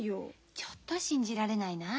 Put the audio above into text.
ちょっと信じられないなあ。